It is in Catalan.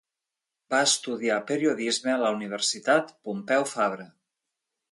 Va estudiar Periodisme a la Universitat Pompeu Fabra.